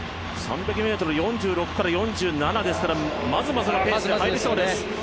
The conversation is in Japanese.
３００ｍ、４６から４７ですからまずまずのペースで入りそうです。